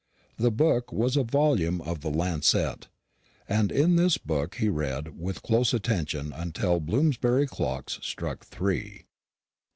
The book was a volume of the Lancet, and in this book he read with close attention until the Bloomsbury clocks struck three.